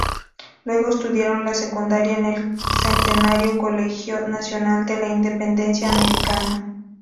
Luego estudiaron la secundaria en el centenario Colegio Nacional de la Independencia Americana.